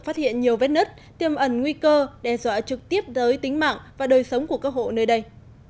phát hiện nhiều vết nứt tiêm ẩn nguy cơ đe dọa trực tiếp tới tính mạng và đời sống của các hộ nơi đây